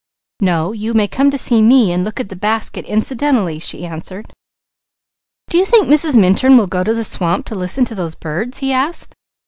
"No. You may come to see me and look at the basket incidentally," she answered. "Do you think Mrs. Minturn will go to the swamp to listen to those birds?" he asked.